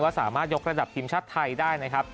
ว่าสามารถยกระดับทีมชาติไทยได้